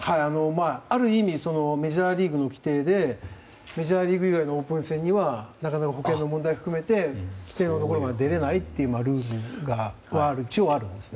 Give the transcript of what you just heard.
ある意味メジャーリーグの規定でメジャーリーグ以外のオープン戦には保険の問題を含めて出られないというルールが一応あるんですね。